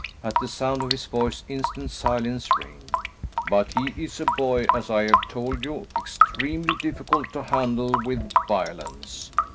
At the sound of his voice instant silence reigned. "But he is a boy, as I have told you, extremely difficult to handle with violence.